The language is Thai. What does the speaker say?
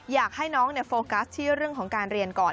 อยากให้น้องโฟกัสที่เรื่องของการเรียนก่อน